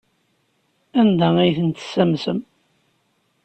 Anda ay ten-tessamsem?